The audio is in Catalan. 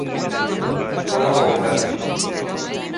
On el vol rebre?